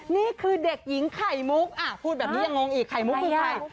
นี่คือเด็กหญิงไข่มุกพูดแบบนี้ยังงงอีกไข่มุกคือใคร